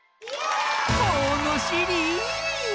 ものしり！